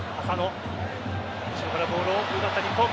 後ろからボールを奪った日本。